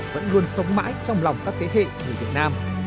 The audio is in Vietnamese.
vẫn luôn sống mãi trong lòng các thế hệ người việt nam